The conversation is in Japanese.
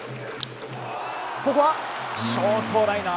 ここはショートライナー。